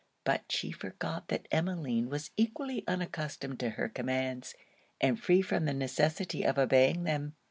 But she forgot that Emmeline was equally unaccustomed to her commands, and free from the necessity of obeying them.